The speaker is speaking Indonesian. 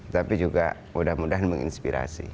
tapi juga mudah mudahan menginspirasi